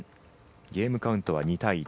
ゲームカウントは２対１。